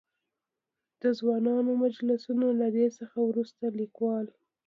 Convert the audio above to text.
د ځوانانو مجلسونه؛ له دې څخه ورورسته ليکوال.